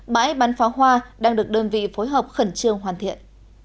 bãi bắn pháo hoa đang được đơn vị phối hợp khẩn trương hoàn thiện